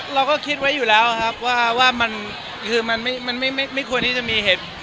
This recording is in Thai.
เราก็คิดไว้อยู่แล้วครับว่ามันคือมันไม่ควรที่จะมีเหตุ